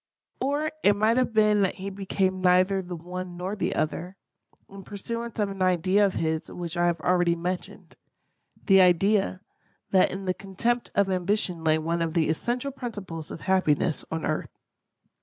Or it might have been that he became neither the one nor the other, in pursuance of an idea of his which I have already mentioned—the idea, that in the contempt of ambition lay one of the essential principles of happiness on earth.